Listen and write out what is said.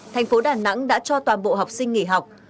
thành phố đà nẵng đã cho toàn bộ học sinh nghỉ học